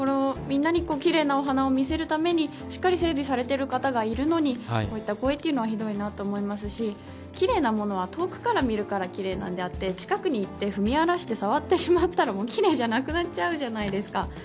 みんなに奇麗なお花を見せるためにしっかり整備されている方がいるのにこういった行為はひどいと思いますし奇麗なものは遠くから見るのが奇麗なのであって近くに行って踏み荒らして触ってしまったら奇麗じゃなくなってしまいます。